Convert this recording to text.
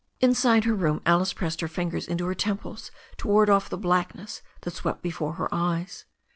Inside her room Alice pressed her fingers into her temples to ward off the blackness that swept before her eyes.